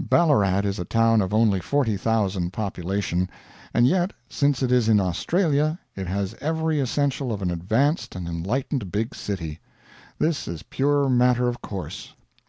Ballarat is a town of only 40,000 population; and yet, since it is in Australia, it has every essential of an advanced and enlightened big city. This is pure matter of course.